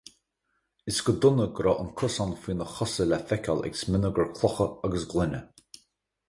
Is go dona go raibh an cosán faoina chosa le feiceáil ag smionagar clocha agus gloine.